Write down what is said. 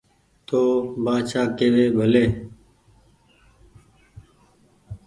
تو ن بآڇآ ڪيوي ڀلي